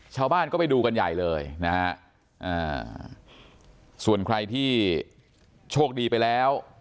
ชาวบ้านก็ไปดูกันใหญ่เลยนะฮะส่วนใครที่โชคดีไปแล้ว